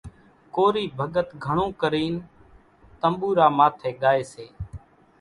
ڪورِي ڀڳت گھڻون ڪرينَ تنٻوُرا ماٿيَ ڳائيَ سي۔